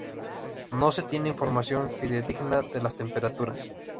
No se tiene información fidedigna de las temperaturas.